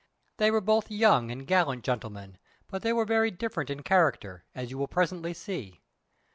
They were both young and gallant gentlemen, but they were very different in character, as you will presently see.